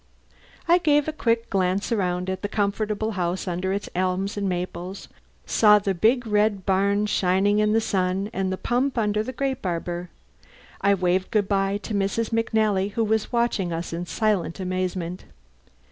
I gave a quick glance around at the comfortable house under its elms and maples saw the big, red barn shining in the sun and the pump under the grape arbour. I waved good bye to Mrs. McNally who was watching us in silent amazement.